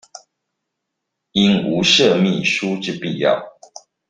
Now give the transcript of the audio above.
應無設秘書之必要